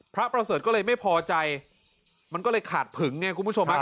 พระประเสริฐก็เลยไม่พอใจมันก็เลยขาดผึงเนี่ยคุณผู้ชมภาค